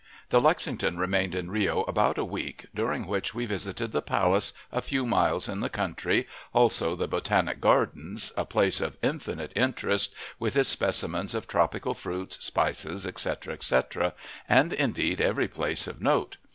The Lexington remained in Rio about a week, during which we visited the Palace, a few miles in the country, also the Botanic Gardens, a place of infinite interest, with its specimens of tropical fruits, spices; etc., etc., and indeed every place of note.